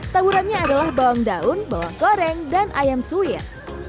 taburannya adalah bawang daun bawang goreng dan ayam suir